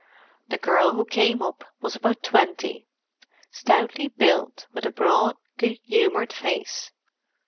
The girl who came up was about twenty—stoutly built, with a broad, good humoured face.